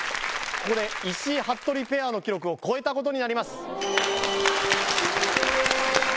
ここで石井・服部ペアの記録を超えたことになります